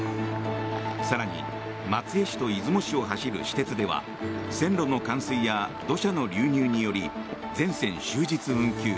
更に松江市と出雲市を走る私鉄では線路の冠水や土砂の流入により全線終日運休。